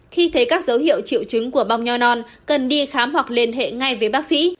khi thấy các dấu hiệu triệu chứng của bong nho non cần đi khám hoặc liên hệ ngay với bác sĩ